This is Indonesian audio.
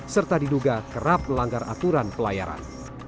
serta diduga kerap melanggar aturan pelayaran